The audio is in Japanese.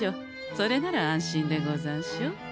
それなら安心でござんしょう？